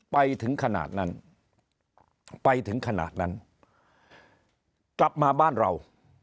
ไปถึงขนาดนั้นไปถึงขนาดนั้นกลับมาบ้านเรา